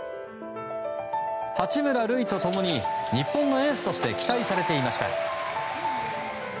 八村塁と共に日本のエースとして期待されていました。